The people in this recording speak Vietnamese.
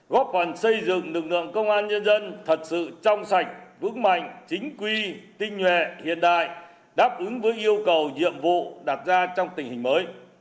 góp phần xây dựng lực lượng công an nhân dân thật sự trong sạch vững mạnh chính quy tinh nhuệ hiện đại đáp ứng với yêu cầu nhiệm vụ đặt ra trong tình hình mới